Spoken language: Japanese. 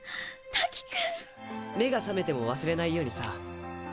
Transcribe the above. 瀧：目が覚めても忘れないようにさ。